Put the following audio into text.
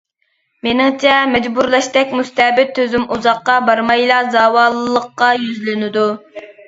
مېنىڭچە، مەجبۇرلاشتەك مۇستەبىت تۈزۈم ئۇزاققا بارمايلا زاۋاللىققا يۈزلىنىدۇ.